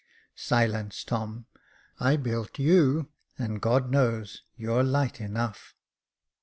"Silence, Tom; I built you, and God knows you're light enough."